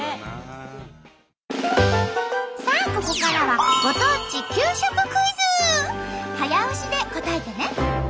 さあここからは早押しで答えてね！